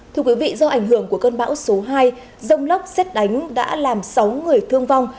thưa quý vị do ảnh hưởng của cơn bão số hai rông lốc xét đánh đã làm sáu người thương vong